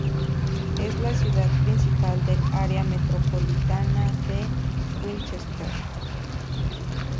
Es la ciudad principal del área metropolitana de Winchester.